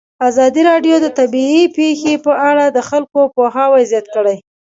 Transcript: ازادي راډیو د طبیعي پېښې په اړه د خلکو پوهاوی زیات کړی.